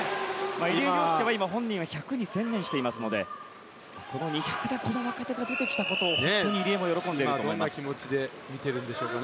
入江陵介本人は１００に専念していますのでこの２００ｍで柳川が出てきたことを入江も喜んでいると思います。